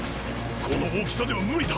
この大きさでは無理だ。